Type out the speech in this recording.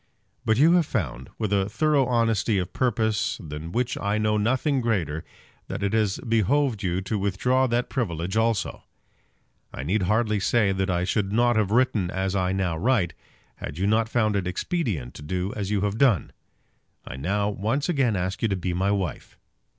But you have found, with a thorough honesty of purpose than which I know nothing greater, that it has behoved you to withdraw that privilege also. I need hardly say that I should not have written as I now write, had you not found it expedient to do as you have done. I now once again ask you to be my wife.